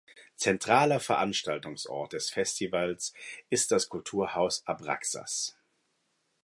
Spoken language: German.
Zentraler Veranstaltungsort des Festivals ist das Kulturhaus Abraxas.